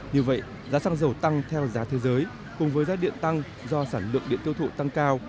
như vậy giá xăng dầu tăng theo giá thế giới cùng với giá điện tăng do sản lượng điện tiêu thụ tăng cao